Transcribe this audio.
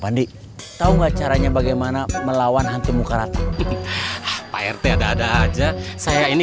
pandi tahu enggak caranya bagaimana melawan hantu mukarat pak rt ada ada aja saya ini